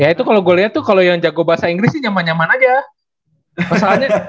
ya itu kalau gue lihat tuh kalau yang jago bahasa inggris sih nyaman nyaman aja